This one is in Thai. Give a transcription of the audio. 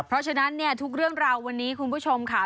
เพราะฉะนั้นเนี่ยทุกเรื่องราววันนี้คุณผู้ชมค่ะ